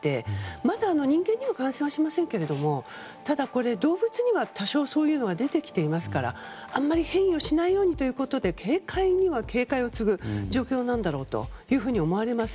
まだ人間には感染しませんがただ、動物には多少そういうのが出てきていますからあまり変異をしないようにということで警戒には警戒をつぐ状況だろうと思われます。